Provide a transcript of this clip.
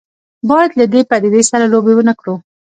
باید له دې پدیدې سره لوبې ونه کړو.